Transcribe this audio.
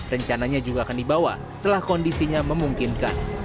rencananya juga akan dibawa setelah kondisinya memungkinkan